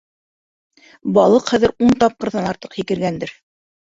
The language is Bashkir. Балыҡ хәҙер ун тапҡырҙан артыҡ һикергәндер.